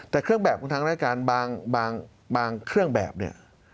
แต่เครื่องแบบของทางรายการบางเครื่องแบบเนี่ย